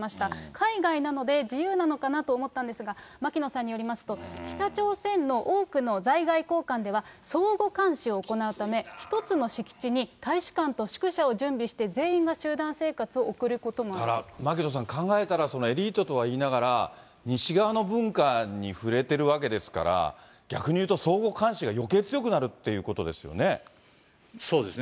海外なので、自由なのかなと思ったんですが、牧野さんによりますと、北朝鮮の多くの在外公館では、相互監視を行うため、一つの敷地に大使館と宿舎を準備して、全員だから、牧野さん、考えたら、エリートとはいいながら、西側の文化に触れてるわけですから、逆に言うと、相互監視がよけい強くなるということですよね。